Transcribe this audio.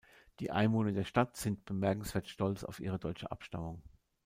Die Einwohner der Stadt sind bemerkenswert stolz auf ihre deutsche Abstammung.